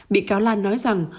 bị cáo lan nói rằng